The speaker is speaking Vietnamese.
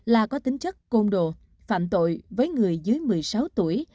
là có tính chất côn đồ phạm tội với người dưới một mươi sáu tuổi